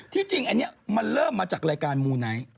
จริงอันนี้มันเริ่มมาจากรายการมูไนท์